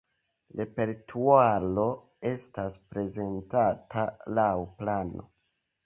Repertuaro estas prezentata laŭ plano.